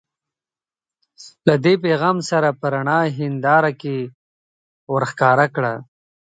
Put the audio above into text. له دې پیغام سره په رڼه هنداره کې ورښکاره کړه.